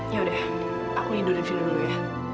ya udah aku langsung tidurin vino dulu ya